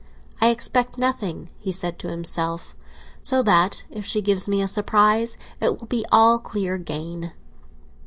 "I expect nothing," he said to himself, "so that if she gives me a surprise, it will be all clear again.